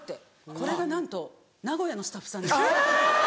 これがなんと名古屋のスタッフさんです。